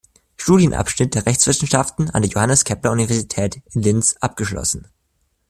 Studienabschnitt der Rechtswissenschaften an der Johannes-Kepler-Universität in Linz abgeschlossen.